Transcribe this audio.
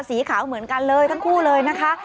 สีขาวเหมือนกันเลยทั้งคู่เลยนะคะ